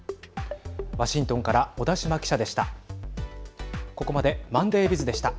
ワシントンから小田島記者でした。